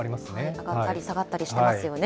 上がったり下がったりしてますよね。